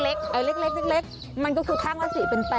เล็กมันก็คือข้างละ๔เป็น๘